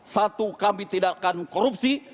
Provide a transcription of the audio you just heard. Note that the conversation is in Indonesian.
satu kami tidak akan korupsi